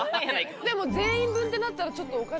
でも全員分ってなったらちょっとお金が。